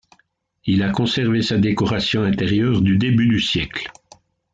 Il a conservé sa décoration intérieure du début du siècle.